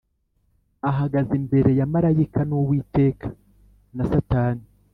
ahagaze imbere ya marayika nUwiteka na Satani